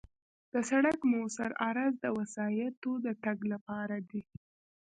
د سړک موثر عرض د وسایطو د تګ لپاره دی